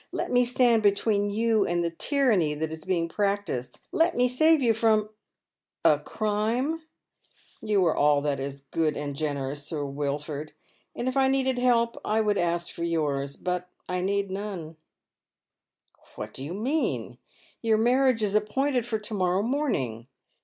Let me stand between you and the tyranny that is being practised — let me save you from "" A crime ! You are all that is good and generous. Sir Wil ford ; and if I needed help I would ask for yours. But I need none." .• j i? x " What do you mean ? Your marriage is appointed tor to morrow morning.